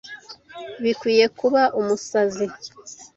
Bikwiye kuba umusazi. "